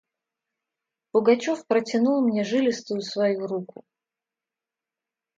Пугачев протянул мне жилистую свою руку.